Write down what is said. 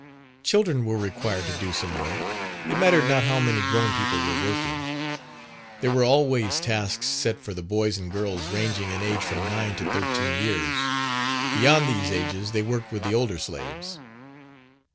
Children were required to do some work, it mattered not how many grown people were working. There were always tasks set for the boys and girls ranging in age from nine to thirteen years, beyond these ages they worked with the older slaves.